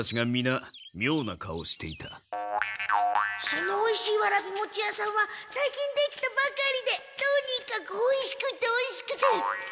そのおいしいわらび餅屋さんは最近できたばかりでとにかくおいしくておいしくて。